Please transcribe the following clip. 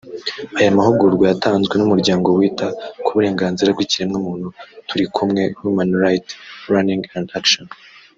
Aya mahugurwa yatanzwe n’umuryango wita ku burenganzira bw’ikiremwamuntu Turikumwe Human Rights Learning and Actions